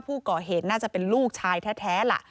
ผู้ก่อเหตุน่าจะเป็นลูกชายแท้ล่ะ